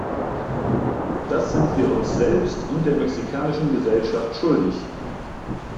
Das sind wir uns selbst und der mexikanischen Gesellschaft schuldig!